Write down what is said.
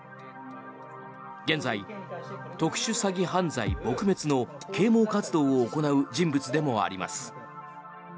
現在、特殊詐欺犯罪撲滅の啓もう活動を行う人物でもあります。